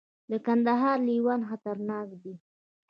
د کندهار لیوان خطرناک دي